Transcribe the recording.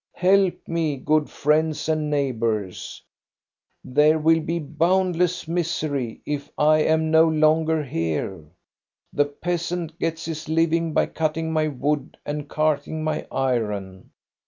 Help me, good friends and neighbors I There will be a bound less misery if I am no longer here. The peasant gets his living by cutting my wood and carting my iron.